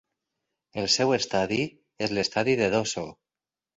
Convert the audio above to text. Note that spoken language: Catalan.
El seu estadi és l'Estadi de Dosso.